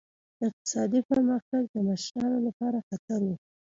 اقتصادي پرمختګ د مشرانو لپاره خطر و.